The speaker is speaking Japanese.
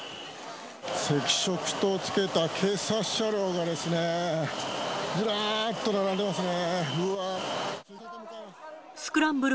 赤色灯をつけた警察車両がですね、ずらっと並んでますね。